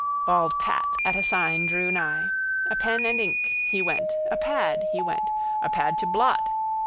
Bald Pat at a sign drew nigh. A pen and ink. He went. A pad. He went. A pad to blot.